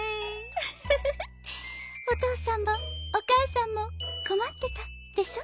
「ウフフフおとうさんもおかあさんもこまってたでしょ」。